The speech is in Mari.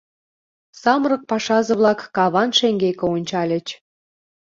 Самырык пашазе-влак каван шеҥгеке ончальыч.